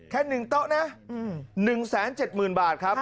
แค่๑โต๊ะนะ๑๗๐๐๐บาทครับ